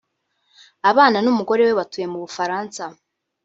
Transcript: abana n’umugore we batuye mu Bufaransa